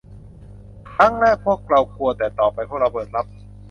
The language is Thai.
ครั้งแรกพวกเรากลัวแต่ต่อไปพวกเราเปิดรับ